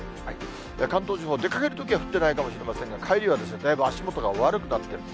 関東地方、出かけるときは降ってないかもしれませんが、帰りはだいぶ足元が悪くなってる。